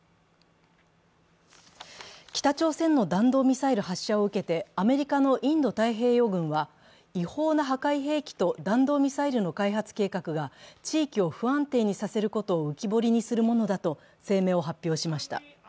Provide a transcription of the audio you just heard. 北朝鮮の弾道ミサイル発射を受けてアメリカのインド太平洋軍は違法な破壊兵器と弾道ミサイルの開発計画が地域を不安定にさせることを浮き彫りにさせるものだと声明を発表しました。